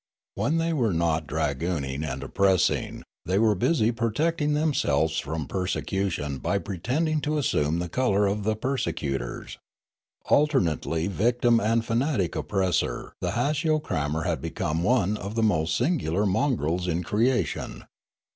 When they were not dragooning and oppressing, they were busy protecting themselves from persecution by pretending to assume the colour of the persecutors. Alternately victim and fanatic oppressor, the Haciocrammer had become one of the most singular mongrels in creation.